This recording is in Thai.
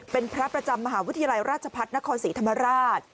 เป็นพระประจำมหาวิทยาลัยราชพัฒนครศรีธรรมราช